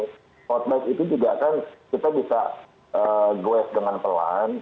hoad bike itu juga kan kita bisa goes dengan pelan